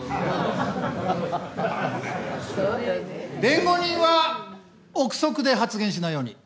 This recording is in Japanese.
弁護人は臆測で発言しないように。